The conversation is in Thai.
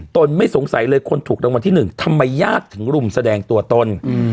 ไม่สงสัยเลยคนถูกรางวัลที่หนึ่งทำไมญาติถึงรุมแสดงตัวตน